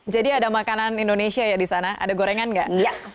jadi ada makanan indonesia ya disana ada gorengan nggak